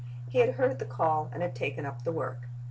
"^ He had heard the call, and had taken up the work.